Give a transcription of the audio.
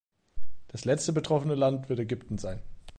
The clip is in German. Das letzte betroffene Land wird Ägypten sein.